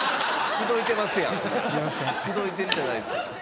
口説いてるじゃないですか。